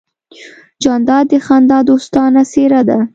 جانداد د خندا دوستانه څېرہ ده.